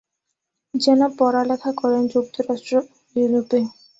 Gen পড়ালেখা করেন যুক্তরাষ্ট্র ও ইউরোপে।